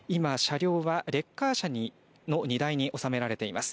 レッカー車の荷台に納められています。